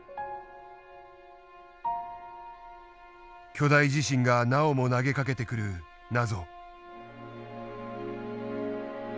巨大地震がなおも投げかけてくる謎。